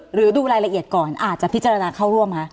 หรือดูรายละเอียดก่อนอาจจะพิจารณาเข้าร่วมคะ